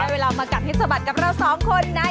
เวลามากัดให้สะบัดกับเราสองคนใน